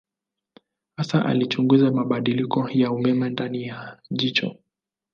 Hasa alichunguza mabadiliko ya umeme ndani ya jicho.